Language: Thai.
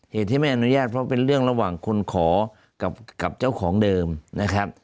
เหตุที่ไม่อนุญาตเพราะเป็นเรื่องระหว่างคนขอกับเจ้าของเดิมนะครับ